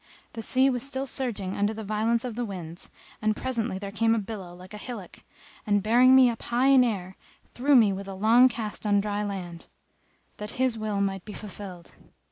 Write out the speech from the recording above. The sea was still surging under the violence of the winds, and presently there came a billow like a hillock; and, bearing me up high in air, threw me with a long cast on dry land, that His will might be fulfilled.